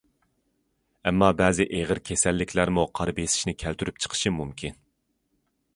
ئەمما بەزى ئېغىر كېسەللىكلەرمۇ قارا بېسىشنى كەلتۈرۈپ چىقىرىشى مۇمكىن.